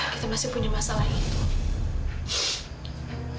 kita masih punya masalah itu